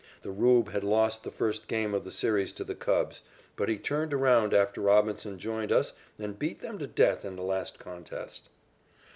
The "Rube" had lost the first game of the series to the Cubs, but he turned around after Robinson joined us and beat them to death in the last contest.